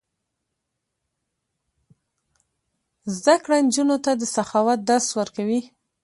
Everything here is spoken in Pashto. زده کړه نجونو ته د سخاوت درس ورکوي.